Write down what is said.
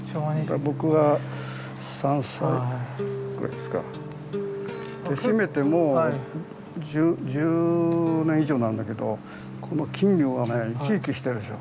で閉めてもう１０年以上になるんだけどこの金魚がね生き生きしてるでしょ？